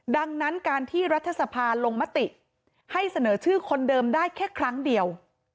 ดังนั้นการที่รัฐสภาลงมติให้เสนอชื่อคนเดิมได้แค่ครั้งเดียว